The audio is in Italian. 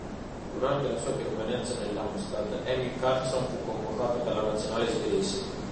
Durante la sua permanenza nell'Halmstad, Emil Karlsson fu convocato dalla Nazionale svedese.